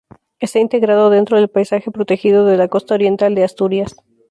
Está integrado dentro del Paisaje Protegido de la Costa Oriental de Asturias.